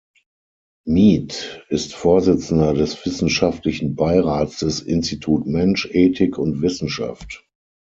Mieth ist Vorsitzender des Wissenschaftlichen Beirats des Institut Mensch, Ethik und Wissenschaft.